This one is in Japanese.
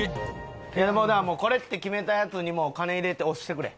これ！って決めたやつにもう金入れて押してくれ。